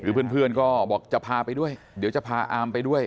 เพื่อนก็บอกจะพาไปด้วยเดี๋ยวจะพาอามไปด้วย